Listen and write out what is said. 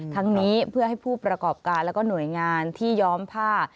ทั้งนี้เพื่อให้ผู้ประกอบการแล้วก็หน่วยงานที่ย้อมผ้า